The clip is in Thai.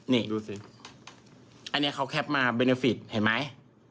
นี่อันนี้เขาแคปมาเบเนฟิตเห็นไหม